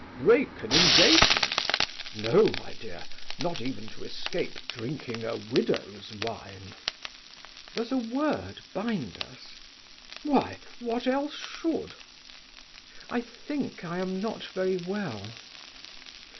"Break an engagement? No, my dear, not even to escape drinking a widow's wine." "Does a word bind us?" "Why, what else should?" "I think I am not very well."